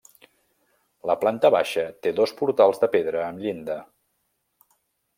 La planta baixa té dos portals de pedra amb llinda.